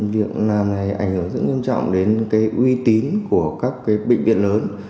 việc làm này ảnh hưởng rất nguyên trọng đến uy tín của các bệnh viện lớn